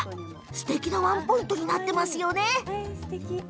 すてきなワンポイントになっていますよね。